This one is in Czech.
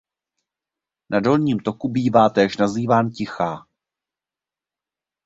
Na dolním toku bývá též nazýván Tichá.